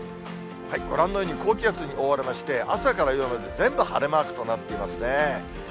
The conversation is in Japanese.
ご覧のように高気圧に覆われまして、朝から夜まで全部晴れマークとなっていますね。